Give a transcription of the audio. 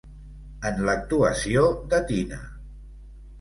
En l'actuació de Tina!